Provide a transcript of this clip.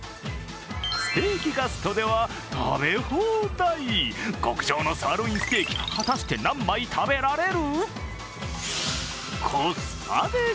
ステーキガストでは食べ放題、極上のサーロインステーキ果たして何枚食べられる？